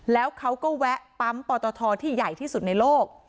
แล้วเขาก็แวะปั๊มปอตทที่ใหญ่ที่สุดในโลก